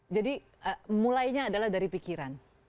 jadi mulainya adalah dari pikiran